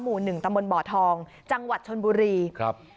หมู่หนึ่งตำบลบ่อทองจังหวัดชนบุรีครับ